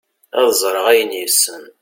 ad ẓreɣ ayen yessen